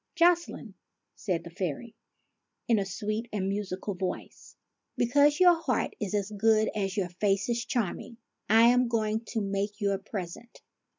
"Jocelyne," said the fairy, in a sweet and musical voice, " because your heart is as good as your face is charming, I am going to make you a present.